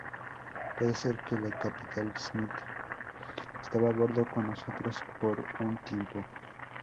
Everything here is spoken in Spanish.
Puede ser que el capitán Smith estaba a bordo con nosotros por un tiempo.